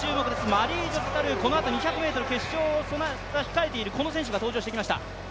マリージョゼ・タルー、このあと２００ｍ決勝を備えている選手が登場してきました。